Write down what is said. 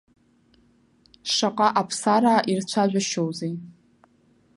Шаҟа аԥсараа ирцәажәашьоузеи!